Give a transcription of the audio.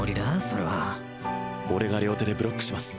それは俺が両手でブロックします